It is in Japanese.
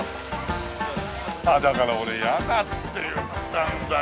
あっだから俺ヤダって言ったんだよ。